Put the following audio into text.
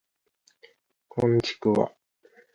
こんちくわ